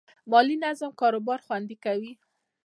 مالي نظم کاروبار خوندي کوي.